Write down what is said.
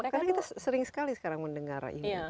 karena kita sering sekali sekarang mendengar